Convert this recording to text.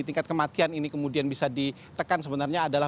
tingkat kematian ini kemudian bisa ditekan sebenarnya adalah